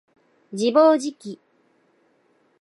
自暴自棄